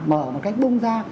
mở một cách bung ra